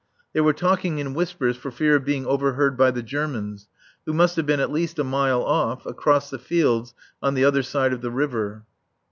They were talking in whispers for fear of being overheard by the Germans, who must have been at least a mile off, across the fields on the other side of the river.